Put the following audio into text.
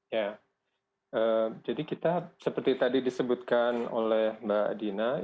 ya jadi kita seperti tadi disebutkan oleh mbak dina